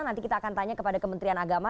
nanti kita akan tanya kepada kementerian agama